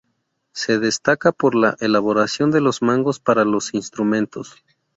Se destaca por la elaboración de los mangos para los instrumentos.